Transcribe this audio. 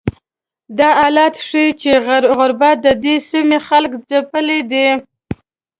دا حالت ښیي چې غربت ددې سیمې خلک ځپلي دي.